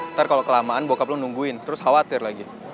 ntar kalau kelamaan bokap lo nungguin terus khawatir lagi